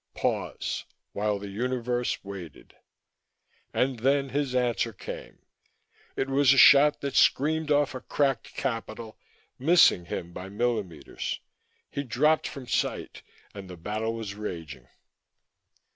Pause, while the Universe waited. And then his answer came; it was a shot that screamed off a cracked capital, missing him by millimeters. He dropped from sight, and the battle was raging.